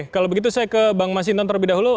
kalau begitu saya ke bang mas inton terlebih dahulu